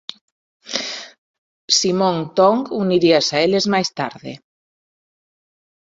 Simon Tong uniríase a eles máis tarde.